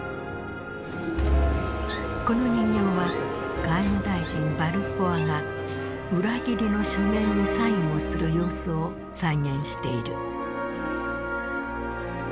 この人形は外務大臣バルフォアが裏切りの書面にサインをする様子を再現している。